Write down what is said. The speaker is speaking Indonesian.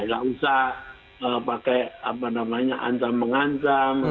nggak usah pakai apa namanya ancam mengancam